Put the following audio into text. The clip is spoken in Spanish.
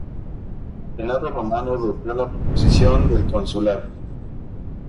El Senado Romano adoptó la proposición del consular.